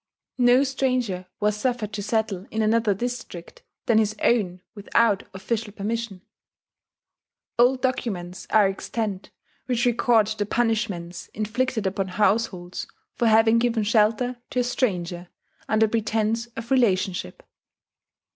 No stranger was suffered to settle in another district than his own without official permission. Old documents are extant which record the punishments inflicted upon households for having given shelter to a stranger under pretence of relationship.